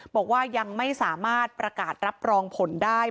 บอกว่ายังไม่สามารถประกาศรับรองผลได้